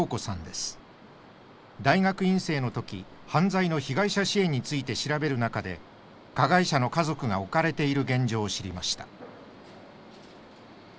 大学院生の時犯罪の被害者支援について調べる中で加害者の家族が置かれている現状を知りました。